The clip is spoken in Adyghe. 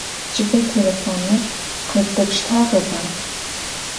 Джыбэ телефоныр къыздэпштагъэба?